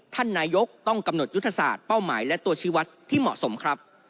ท่านนายกต้องกำหนดยุทธศาสตร์เป้าหมายและตัวชีวัตรที่เหมาะสมครับ